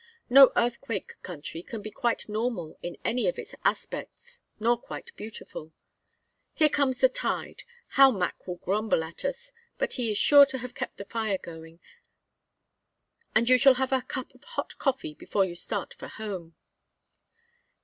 No earthquake country can be quite normal in any of its aspects, nor quite beautiful. Here comes the tide. How Mac will grumble at us! But he is sure to have kept the fire going, and you shall have a cup of hot coffee before you start for home."